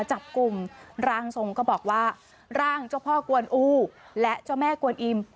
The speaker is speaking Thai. จับกลุ่มร่างทรงก็บอกว่าร่างเจ้าพ่อกวนอูและเจ้าแม่กวนอิ่ม